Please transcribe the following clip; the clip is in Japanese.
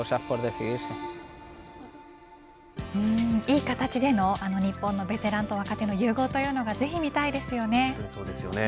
いい形での日本のベテランと若手の融合というのがぜひ見たいですよね。